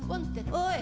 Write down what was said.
おい。